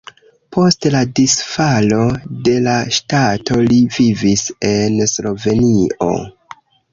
Post la disfalo de la ŝtato li vivis en Slovenio.